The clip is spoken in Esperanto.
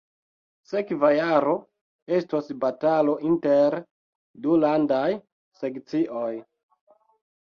Sekva jaro estos batalo inter du landaj sekcioj